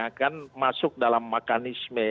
akan masuk dalam mekanisme